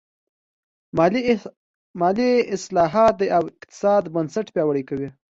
مالي اصلاحات د اقتصاد بنسټ پیاوړی کوي.